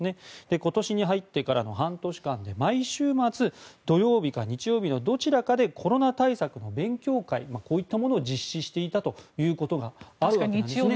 今年に入ってからの半年間で毎週末土曜日か日曜日のどちらかでコロナ対策の勉強会などを実施していたということがあるんですね。